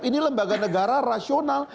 ini lembaga negara rasional